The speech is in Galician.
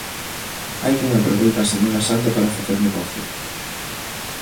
Hai quen aproveita a Semana Santa para facer negocio.